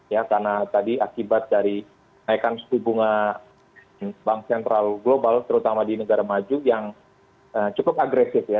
ya karena tadi akibat dari naikan suku bunga bank sentral global terutama di negara maju yang cukup agresif ya